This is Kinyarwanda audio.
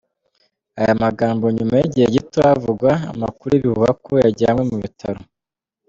aya magambo nyuma yigihe gito havugwa amakuru yibihuha ko yajyanwe mu bitaro.